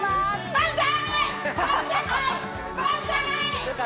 万歳！